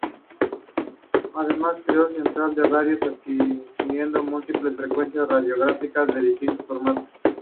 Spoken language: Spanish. Además creó Central de Radios, adquiriendo múltiples frecuencias radiofónicas de distintos formatos.